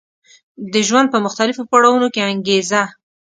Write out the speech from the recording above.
د ژوند په مختلفو پړاوونو کې انګېزه